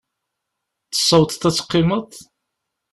Tessawḍeḍ ad teqqimeḍ?